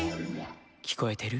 「きこえてる？